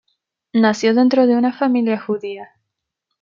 Nació dentro de una familia judía.